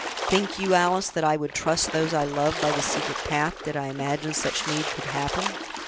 "Think you, Alice, that I would trust those I love by this secret path, did I imagine such need could happen?"